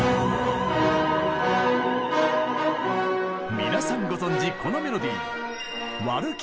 皆さんご存じこのメロディー。